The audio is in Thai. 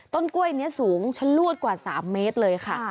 ต้นกล้วยนี้สูงชะลวดกว่า๓เมตรเลยค่ะ